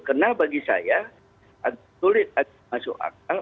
karena bagi saya sulit masuk akal